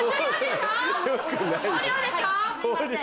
はいすいません。